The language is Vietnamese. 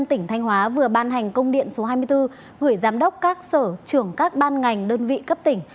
tỉnh thanh hóa vừa ban hành công điện số hai mươi bốn gửi giám đốc các sở trưởng các ban ngành đơn vị cấp tỉnh